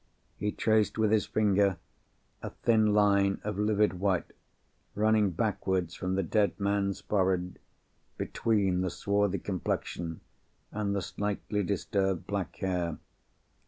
He traced with his finger a thin line of livid white, running backward from the dead man's forehead, between the swarthy complexion, and the slightly disturbed black hair.